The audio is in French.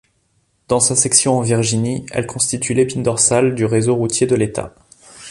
Dans sa section en Virginie, elle constitue l'épine dorsale du réseau routier de l'état.